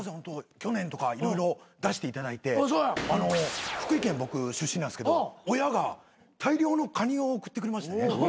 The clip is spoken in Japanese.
去年とか色々出していただいて福井県僕出身なんすけど親が大量のカニを送ってくれましてね。